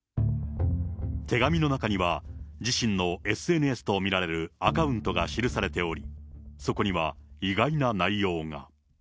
手紙の中には、自身のＳＮＳと見られるアカウントが記されており、そこには意外な内容が。